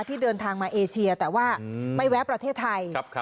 ที่เดินทางมาเอเชียแต่ว่าไม่แวะประเทศไทย